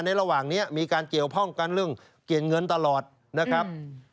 ระหว่างนี้มีการเกี่ยวข้องกันเรื่องเปลี่ยนเงินตลอดนะครับ